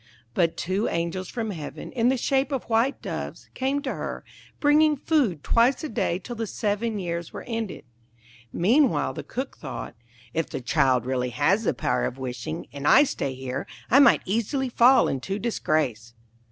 But two Angels from heaven, in the shape of white doves, came to her, bringing food twice a day till the seven years were ended. Meanwhile the Cook thought, 'If the child really has the power of wishing, and I stay here, I might easily fall into disgrace.'